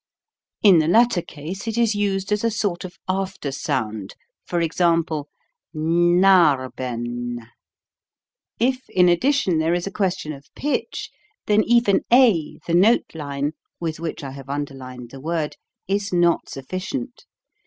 In the latter case it is used as a sort of after sound, for example : If in addition there is a question of pitch, then even a the note line (with which I have 276 HOW TO SING underlined the word) is not sufficient.